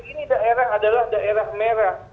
ini daerah adalah daerah merah